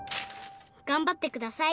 「がんばってください！